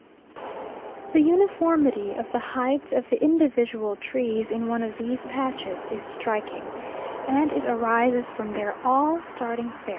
The uniformity of the height of the individual trees in one of these patches is striking, and it arises from their all starting fair.